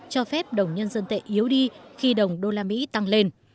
cho phép đồng nhân dân tệ yếu đi khi đồng đô la mỹ tăng lên